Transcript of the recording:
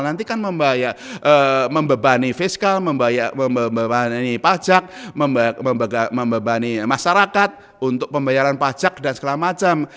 nanti kan membebani fiskal membebani pajak membebani masyarakat untuk pembayaran pajak dan segala macam